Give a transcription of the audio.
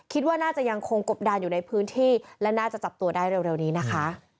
คิดว่าน่าจะยังคงกบดานอยู่ในพื้นที่และน่าจะจับตัวได้เร็วนี้นะคะ